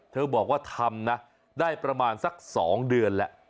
เธอบอกว่าทำนะได้ประมาณสัก๒เดือนแล้ว